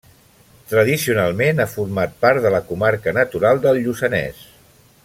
Tradicionalment ha format part de la comarca natural del Lluçanès.